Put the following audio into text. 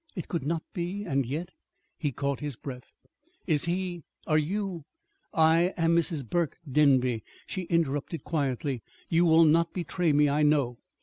It could not be And yet He caught his breath. "Is he are you " "I am Mrs. Burke Denby," she interrupted quietly. "You will not betray me, I know.